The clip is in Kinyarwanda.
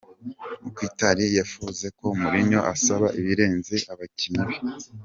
Mkhitaryan yafuze ko Mourinho asaba ibirenze abakinnyi be.